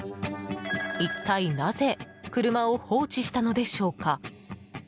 一体なぜ車を放置したのでしょうか。